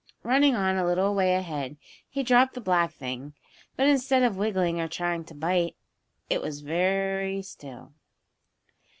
Running on a little way ahead he dropped the black thing. But instead of wiggling or trying to bite, it was I very still.